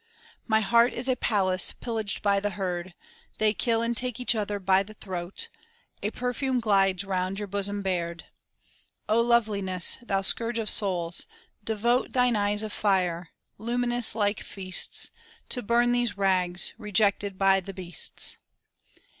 My heart is a palace pillaged by the herd; They kill and take each other by the throat! A perfume glides around your bosom bared O loveliness, thou scourge of souls devote Thine eyes of fire luminous like feasts, To burn these rags rejected by the beasts!